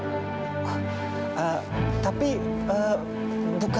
ibu laras sudah mencoba untuk mencoba